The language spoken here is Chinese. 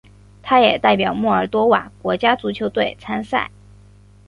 他也代表摩尔多瓦国家足球队参赛。